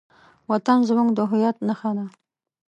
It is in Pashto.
وطن زموږ د هویت نښه ده.